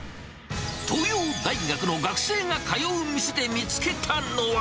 東洋大学の学生が通う店で見つけたのは。